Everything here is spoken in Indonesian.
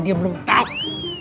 dia belum tahu